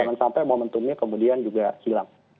jangan sampai momentumnya kemudian juga hilang